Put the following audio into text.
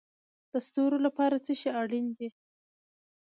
د ستورو لپاره څه شی اړین دی؟